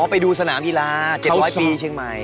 ไปดูสนามกีฬา๗๐๐ปีเชียงใหม่